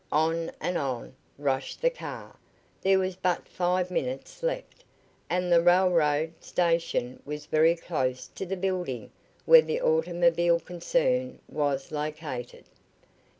On and on rushed the car. There was but five minutes left, and the railroad; station was very close to the building where the automobile concern was located.